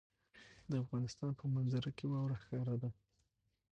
د افغانستان په منظره کې واوره ښکاره ده.